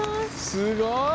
すごい！